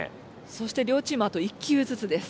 そして両チームあと１球ずつです。